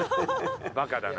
バカだな。